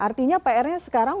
artinya pr nya sekarang